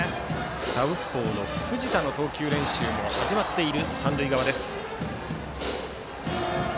サウスポーの藤田の投球練習も始まっている三塁側。